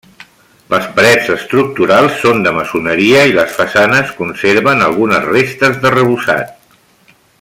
Les parets estructurals són de maçoneria i les façanes conserven algunes restes d'arrebossat.